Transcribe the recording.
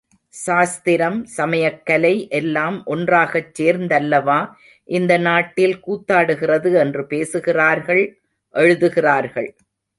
சாஸ்திரம், சமயக்கலை எல்லாம் ஒன்றாகச் சேர்ந்தல்லவா இந்த நாட்டில் கூத்தாடுகிறது என்று பேசுகிறார்கள் எழுதுகிறார்கள்.